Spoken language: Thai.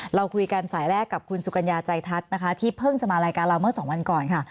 เราคุยกันสายแรกกับคุณสุกัญญาใจทัศน์นะคะที่เพิ่งจะมารายการเราเมื่อสองวันก่อนค่ะ